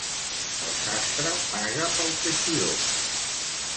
El sastre paga pel teixidor.